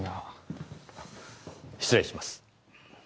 失礼します。